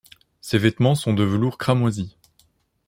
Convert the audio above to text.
Ses vêtements sont de velours cramoisi.